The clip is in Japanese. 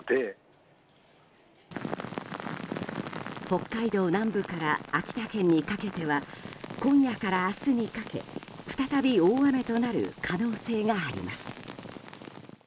北海道南部から秋田県にかけては今夜から明日にかけ再び大雨となる可能性があります。